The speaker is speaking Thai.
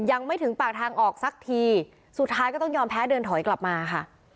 ยังไม่ถึงปากทางออกสักทีสุดท้ายก็ต้องยอมแพ้เดินถอยกลับมาค่ะ